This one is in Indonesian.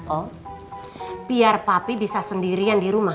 oh biar papi bisa sendirian di rumah